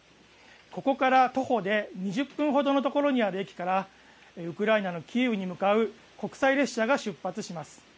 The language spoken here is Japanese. ここから徒歩で２０分ほどのところにある駅からウクライナのキーウに向かう国際列車が出発します。